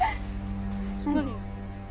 何？